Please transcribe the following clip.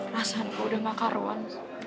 rasanya gue udah gak karuan